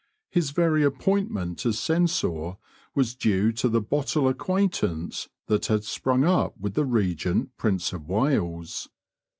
His very appointment as censor was due to the bottle acquaintance that had sprung up with the regent Prince of Wales.